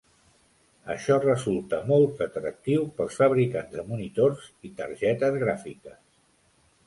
Això resulta molt atractiu pels fabricants de monitors i targetes gràfiques.